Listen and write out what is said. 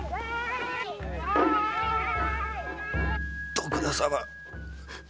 徳田様